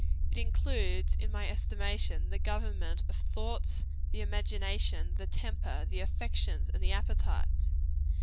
It includes, in my estimation, the government of the THOUGHTS, the IMAGINATION, the TEMPER, the AFFECTIONS, and the APPETITES.